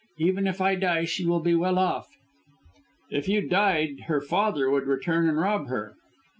Even if I die she will be well off." "If you died, her father would return and rob her."